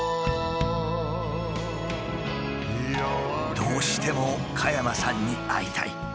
「どうしても加山さんに会いたい」。